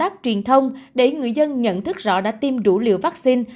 công tác truyền thông để người dân nhận thức rõ đã tiêm đủ liều vaccine